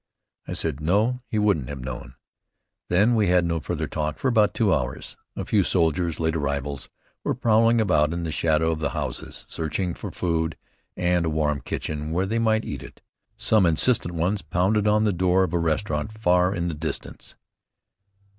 I said, "No, he wouldn't have known." Then we had no further talk for about two hours. A few soldiers, late arrivals, were prowling about in the shadow of the houses, searching for food and a warm kitchen where they might eat it. Some insistent ones pounded on the door of a restaurant far in the distance.